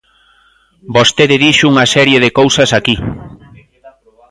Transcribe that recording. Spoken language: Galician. Vostede dixo unha serie de cousas aquí.